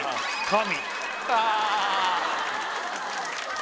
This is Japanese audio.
神！